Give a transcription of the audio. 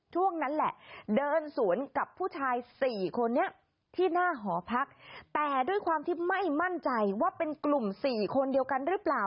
ช่วงนั้นแหละเดินสวนกับผู้ชายสี่คนนี้ที่หน้าหอพักแต่ด้วยความที่ไม่มั่นใจว่าเป็นกลุ่ม๔คนเดียวกันหรือเปล่า